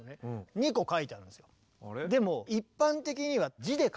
２個書いてあるんですよ。